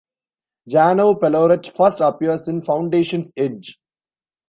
Janov Pelorat first appears in "Foundation's Edge".